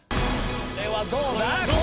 これはどうだ？